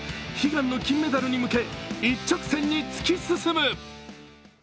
悲願の金メダルに向け、一直線に突き進む。